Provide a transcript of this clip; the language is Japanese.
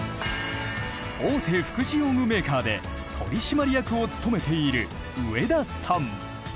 大手福祉用具メーカーで取締役を務めている植田さん。